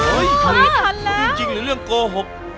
เฮ้ยทันแล้ว